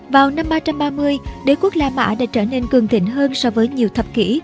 vào năm ba trăm ba mươi đế quốc la mã đã trở nên cường thịnh hơn so với nhiều thập kỷ